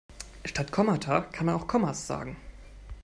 Statt Kommata kann man auch Kommas sagen.